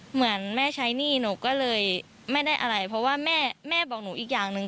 เหมือนแม่ใช้หนี้หนูก็เลยไม่ได้อะไรเพราะว่าแม่แม่บอกหนูอีกอย่างหนึ่ง